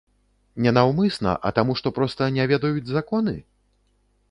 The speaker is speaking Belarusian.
Не наўмысна, а таму што проста не ведаюць законы?